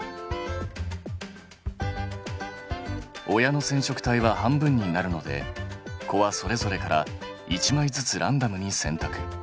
親の染色体は半分になるので子はそれぞれから１枚ずつランダムに選択。